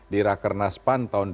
di rakerna span tahun dua ribu dua puluh